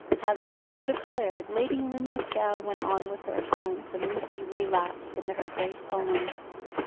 Having so declared, Lady Linlithgow went on with her accounts and Lucy relapsed into her great poem.